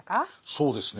そうですね